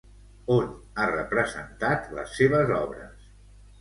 On ha representat les seves obres?